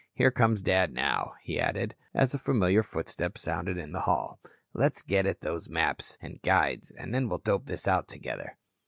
Here comes Dad now," he added, as a familiar footstep sounded in the hall. "Let's get at those maps and guides and we'll dope this out together."